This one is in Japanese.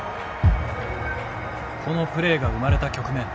このプレーが生まれた局面